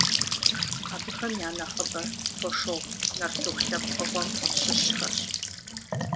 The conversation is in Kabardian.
Абыхэм я нэхъыбэр «фошыгъу» нартыху лъэпкъыгъуэм щыщхэрщ.